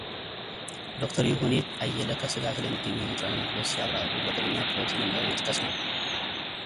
ዶክተር ይሁኔ አየለ ከሥጋ ስለሚገኙ ንጥረ ምግቦች ሲያብራሩ በቅድሚያ ፕሮቲንን በመጥቀስ ነው።